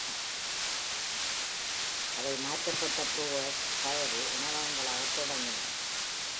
அவை மாற்றப்பட்ட Brewers Fayre உணவகங்களாகத் தொடங்கின.